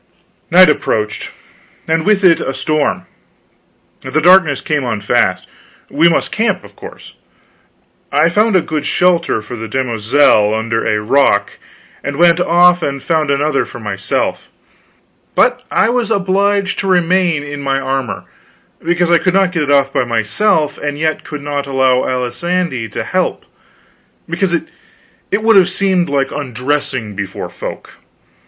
Night approached, and with it a storm. The darkness came on fast. We must camp, of course. I found a good shelter for the demoiselle under a rock, and went off and found another for myself. But I was obliged to remain in my armor, because I could not get it off by myself and yet could not allow Alisande to help, because it would have seemed so like undressing before folk.